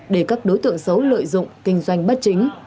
để các đối tượng xấu lợi dụng kinh doanh bất chính